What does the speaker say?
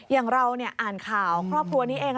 อย่างเราอ่านข่าวครอบครัวนี้เอง